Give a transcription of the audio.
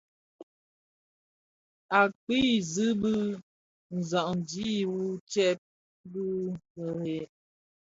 Å kpii zig bi nsàdki wu ctsee (bi kirèè).